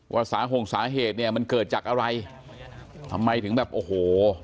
สาหงสาเหตุเนี่ยมันเกิดจากอะไรทำไมถึงแบบโอ้โห